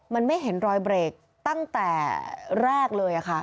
มันไม่เห็นรอยเบรกตั้งแต่แรกเลยค่ะ